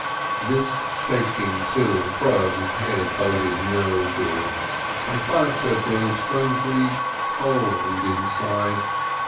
This shaking to and fro of his head boded no good, and Feivke grew strangely cold inside.